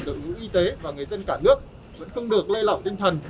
đội ngũ y tế và người dân cả nước vẫn không được lây lỏng tinh thần